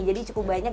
jadi cukup banyak